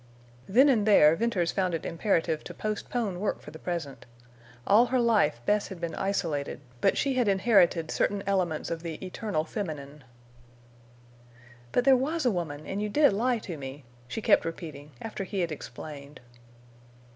Then and there Venters found it imperative to postpone work for the present. All her life Bess had been isolated, but she had inherited certain elements of the eternal feminine. "But there was a woman and you did lie to me," she kept repeating, after he had explained.